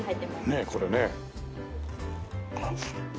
ねえこれね。